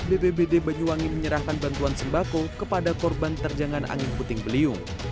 bbbd banyuwangi menyerahkan bantuan sembako kepada korban terjangan angin puting beliung